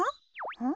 うん？